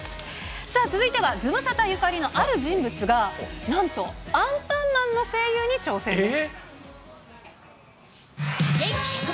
さあ続いては、ズムサタゆかりの、ある人物が、なんとアンパンマンの声優に挑戦です。